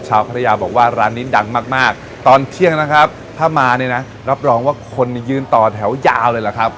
ภรรยาบอกว่าร้านนี้ดังมากมากตอนเที่ยงนะครับถ้ามาเนี่ยนะรับรองว่าคนยืนต่อแถวยาวเลยล่ะครับ